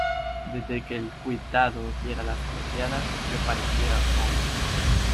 desde que el cuitado diera las boqueadas, yo parecía otro hombre: